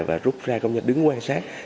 và rút ra công nhật đứng quan sát